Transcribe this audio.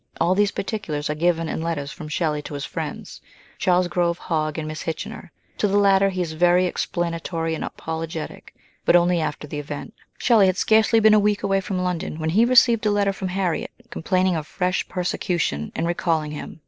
All these particulars are given in letters from Shelley to his friends, Charles Grove, Hogg, and Miss Kitchener ; to the latter he is very explanatory and apologetic, but only after the event. Shelley had scarcely been a week away from London when he received a letter from Harriet, complaining of fresh persecution and recalling him.